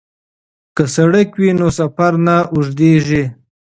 که سړک وي نو سفر نه اوږدیږي.